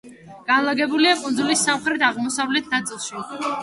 განლაგებულია კუნძულის სამხრეთ-აღოსავლეთ ნაწილში.